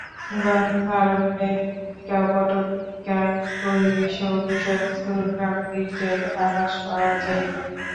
গ্রন্থারম্ভে ভূমিকা ও পটভূমিকায় পরিবেশ ও বিষয়বস্তুর গাম্ভীর্যের আভাস পাওয়া যাইবে।